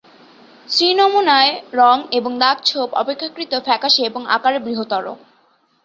স্ত্রী নমুনায় রঙ এবং দাগ ছোপ অপেক্ষাকৃত ফ্যাকাশে এবং আকারে বৃহত্তর।